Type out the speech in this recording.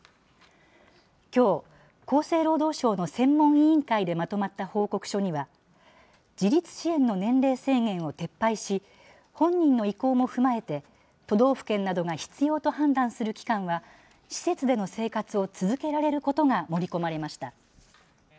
きょう、厚生労働省の専門委員会でまとまった報告書には、自立支援の年齢制限を撤廃し、本人の意向も踏まえて都道府県などが必要と判断する期間は、施設での生活を続けられることが盛り込まれました。